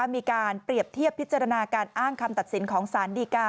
มีการเปรียบเทียบพิจารณาการอ้างคำตัดสินของสารดีกา